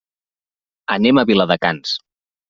Anem a Viladecans.